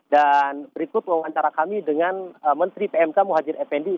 berikut wawancara kami dengan menteri pmk muhajir effendi